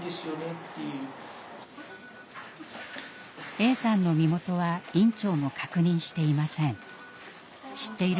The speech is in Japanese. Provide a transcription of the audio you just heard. Ａさんの身元は院長も確認していません。